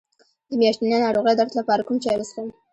د میاشتنۍ ناروغۍ درد لپاره کوم چای وڅښم؟